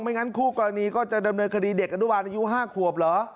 งั้นคู่กรณีก็จะดำเนินคดีเด็กอนุบาลอายุ๕ขวบเหรอ